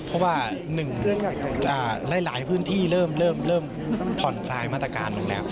เพราะว่า๑หลายพื้นที่เริ่มผ่อนคลายมาตรการลงแล้ว